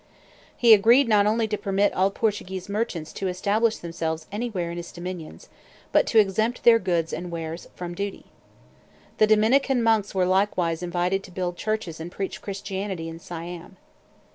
He agreed not only to permit all Portuguese merchants to establish themselves anywhere in his dominions, but to exempt their goods and wares from duty. The Dominican monks were likewise invited to build churches and preach Christianity in Siam.